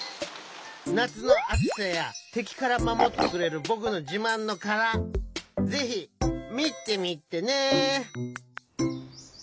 なつのあつさやてきからまもってくれるぼくのじまんのからぜひみてみてね！